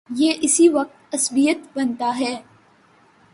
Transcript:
یہ اسی وقت عصبیت بنتا ہے۔